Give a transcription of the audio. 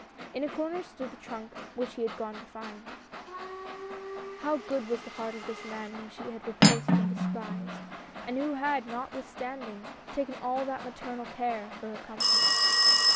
In a corner stood the trunk which he had gone to find. THE RETURN. 193 How good was the heart of this man whom she had repulsed and despised, and who had, notwithstanding, taken all that maternal care for her comfort.